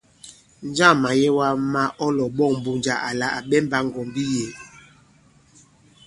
Njâŋ màyɛwa mā ɔ lɔ̀ɓɔ̂ŋ Mbunja àla à ɓɛmbā ŋgɔ̀mbi yě ?